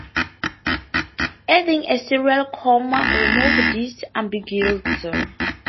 Adding a serial comma removes this ambiguity.